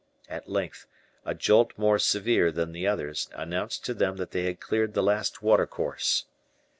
At length, a jolt more sever than the others announced to them that they had cleared the last watercourse.